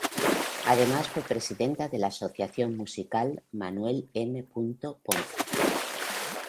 Además fue presidenta de la Asociación Musical Manuel M. Ponce.